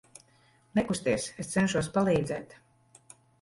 Nekusties, es cenšos palīdzēt.